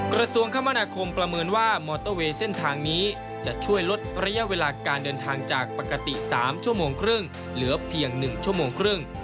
กระทรวงคมนาคมประเมินว่ามอเตอร์เวย์เส้นทางนี้จะช่วยลดระยะเวลาการเดินทางจากปกติ๓ชั่วโมงครึ่งเหลือเพียง๑ชั่วโมงครึ่ง